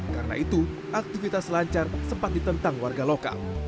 karena itu aktivitas selancar sempat ditentang warga lokal